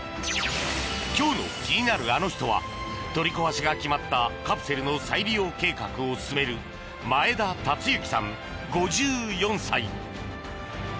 今日の気になるアノ人は取り壊しが決まったカプセルの再利用計画を進める前田達之さん、５４歳。